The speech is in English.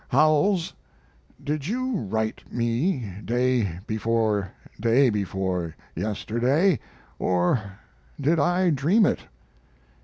Howells, did you write me day before day before yesterday or did I dream it?